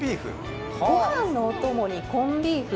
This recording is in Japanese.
ご飯のお供にコンビーフ？